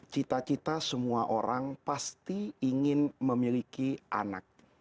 cita cita semua orang pasti ingin memiliki anak